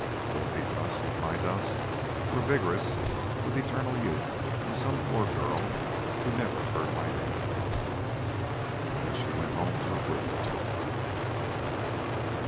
Will it be dust with my dust, or vigorous with eternal youth in some poor girl who never heard my name?" And then she went home to her boudoir.